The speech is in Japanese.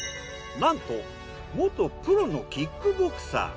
なんと元プロのキックボクサー。